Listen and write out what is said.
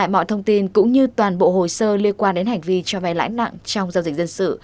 mọi thông tin cũng như toàn bộ hồ sơ liên quan đến hành vi cho vay lãi nặng trong giao dịch dân sự